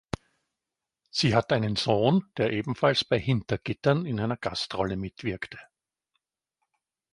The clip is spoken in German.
Sie hat einen Sohn, der ebenfalls bei "Hinter Gittern" in einer Gastrolle mitwirkte.